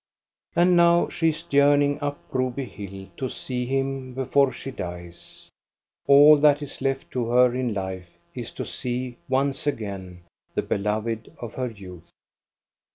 And now she is journeying up Broby hill to see him before she dies. All that is left to her in life is to see once again the beloved of her y6uth.